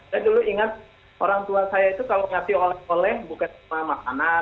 saya dulu ingat orang tua saya itu kalau mengatakan